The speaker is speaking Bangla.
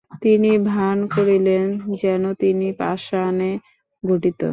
তিনি ভান করিলেন যেন তিনি পাষাণে গঠিত।